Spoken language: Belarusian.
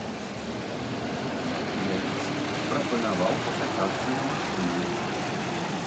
Дзяніс прапанаваў пакатацца на машыне.